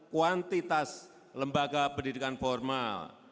kuantitas lembaga pendidikan formal